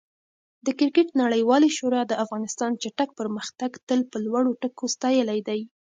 د کرکټ نړیوالې شورا د افغانستان چټک پرمختګ تل په لوړو ټکو ستایلی دی.